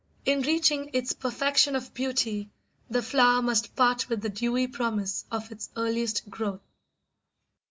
In reaching its perfection of beauty the flower must part with the dewy promise of its earliest growth.